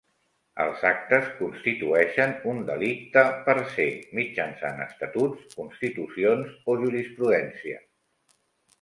Els actes constitueixen un delicte "per se" mitjançant estatuts, constitucions o jurisprudència.